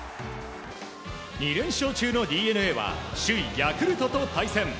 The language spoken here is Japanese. ２連勝中のＤｅＮＡはヤクルトと対戦。